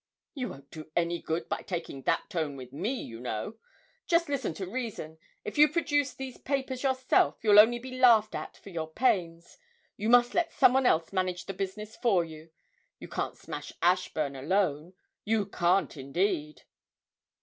'You won't do any good by taking that tone with me, you know. Just listen to reason: if you produce these papers yourself, you'll only be laughed at for your pains. You must let some one else manage the business for you. You can't smash Ashburn alone you can't indeed!'